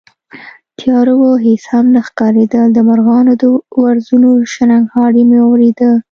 تياره وه، هېڅ هم نه ښکارېدل، د مرغانو د وزرونو شڼهاری مې واورېد